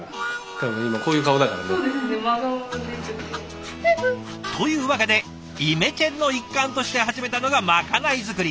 多分今こういう顔だからね。というわけでイメチェンの一環として始めたのがまかない作り。